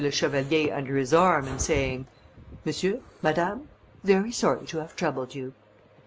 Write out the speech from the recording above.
le Chevalier under his arm, and saying, "Monsieur, Madame, very sorry to have troubled you."